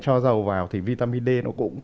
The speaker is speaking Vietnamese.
cho dầu vào thì vitamin d nó cũng